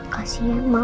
kasian mama pa